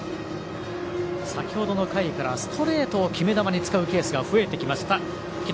先ほどの回からストレートを決め球に使うケース増えてきました城戸。